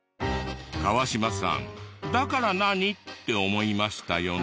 川島さんだから何？って思いましたよね。